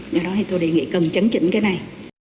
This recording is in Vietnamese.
do đó thì tôi đề nghị cần chấn chỉnh cái này